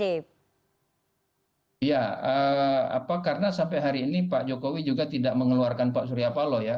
iya karena sampai hari ini pak jokowi juga tidak mengeluarkan pak surya paloh ya